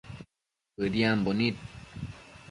Bëdiambo nid